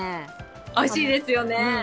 おいしいですよね。